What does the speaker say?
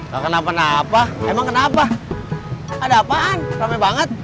gak kenapa kenapa emang kenapa ada apaan rame banget